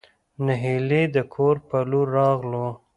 نهېلى د کور په لور راغلو.